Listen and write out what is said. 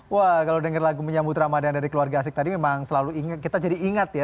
wah kalau denger lagu menyambut ramadan dari keluarga asik tadi memang selalu kita jadi ingat ya